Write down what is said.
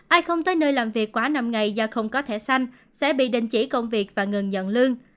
ai không tới nơi làm việc quá năm ngày do không có thẻ xanh sẽ bị đình chỉ công việc và ngừng nhận lương